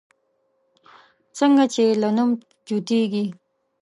څنگه چې يې له نوم جوتېږي